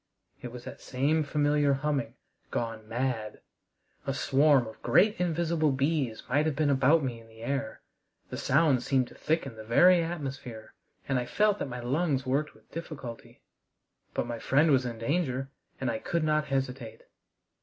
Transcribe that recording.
It was that same familiar humming gone mad! A swarm of great invisible bees might have been about me in the air. The sound seemed to thicken the very atmosphere, and I felt that my lungs worked with difficulty. But my friend was in danger, and I could not hesitate.